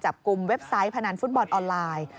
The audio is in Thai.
จับกลุ่มเว็บไซต์พนันฟุตบอลออนไลน์